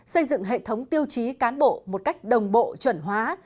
xây dựng hệ thống tiêu chí cán bộ một cách đồng bộ chuẩn hóa